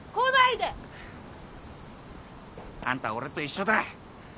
あんた俺と一緒だ。